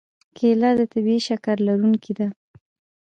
کېله د طبیعي شکر لرونکې ده.